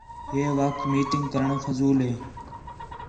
ہے وخت میٹنگ کرݨ فضول ہے